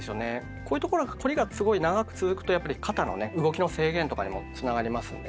こういうところが凝りがすごい長く続くとやっぱり肩のね動きの制限とかにもつながりますんでね。